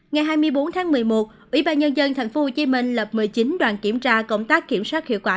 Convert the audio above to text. ngày hai mươi bốn tháng một mươi một ủy ban nhân dân tp hcm lập một mươi chín đoàn kiểm tra công tác kiểm soát hiệu quả